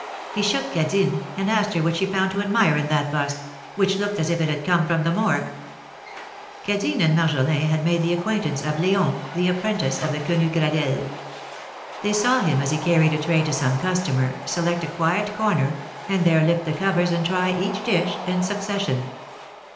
He shook Cadine, and asked her what she found to admire in that bust, ^Svhich looked as if it had come from the Morgue ! Cadine and Marjolin had made the acquaintance of L4on, the apprentice of the Quenu Gradelles. They saw him as he carried a tray to some customer, select a quiet corner, and there lift the covers and try each dish in suc cession.